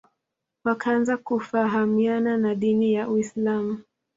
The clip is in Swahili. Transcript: wakaanza kufahamiana na dini ya Uislam